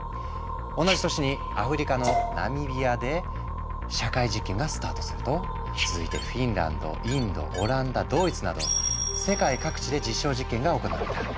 同じ年にアフリカのナミビアで社会実験がスタートすると続いてフィンランドインドオランダドイツなど世界各地で実証実験が行われた。